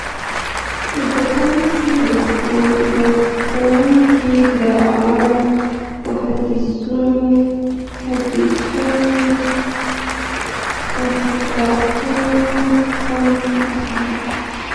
زدهکوونکي د ښوونځي له علمي بحثونو خوند اخلي.